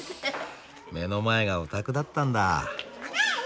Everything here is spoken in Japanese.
目の前がお宅だったんだ。